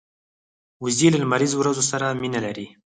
وزې له لمریز ورځو سره مینه لري